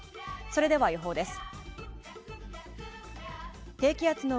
それでは、予報です。